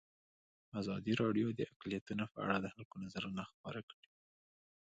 ازادي راډیو د اقلیتونه په اړه د خلکو نظرونه خپاره کړي.